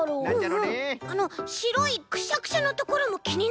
あのしろいクシャクシャのところもきになる。